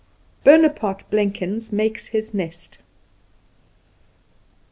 Bonaparte Blenkins Makes His Nest.